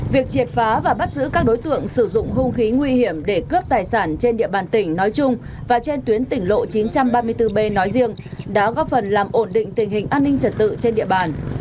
việc triệt phá và bắt giữ các đối tượng sử dụng hung khí nguy hiểm để cướp tài sản trên địa bàn tỉnh nói chung và trên tuyến tỉnh lộ chín trăm ba mươi bốn b nói riêng đã góp phần làm ổn định tình hình an ninh trật tự trên địa bàn